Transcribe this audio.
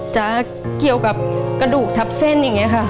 จะเกี่ยวกับกระดูกทับเส้นอย่างนี้ค่ะ